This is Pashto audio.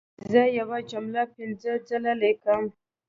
زه یوه جمله پنځه ځله لیکم.